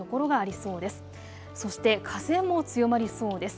そして風も強まりそうです。